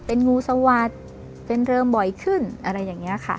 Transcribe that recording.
เป็นงูสวัสดิ์เป็นเริงบ่อยขึ้นอะไรอย่างนี้ค่ะ